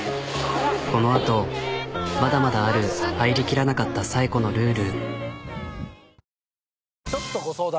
このあとまだまだある入りきらなかった紗栄子のルール。